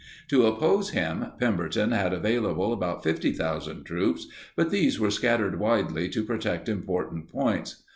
To oppose him, Pemberton had available about 50,000 troops, but these were scattered widely to protect important points.